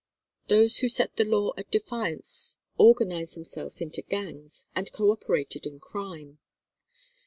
Those who set the law at defiance organized themselves into gangs, and coöperated in crime.